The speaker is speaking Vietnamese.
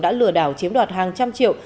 đã lừa đảo chiếm đoạt hàng trăm triệu